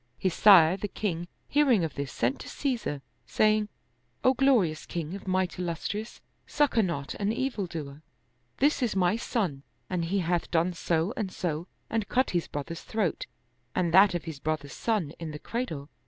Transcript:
His sire the king hear ing of this sent to Caesar, saying, " O glorious king of might illustrious, succor not an evil doer. This is my son and He hath done so and so and cut his brother's throat and that of his brother's son in the cradle."